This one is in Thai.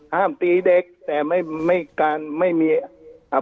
ห้ามตีเด็กแต่ไม่มีอพิบาล